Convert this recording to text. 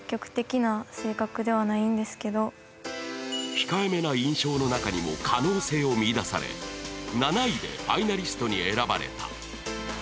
控えめな印象の中にも可能性を見いだされ７位でファイナリストに選ばれた。